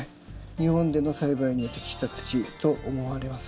日本での栽培に適した土と思われます。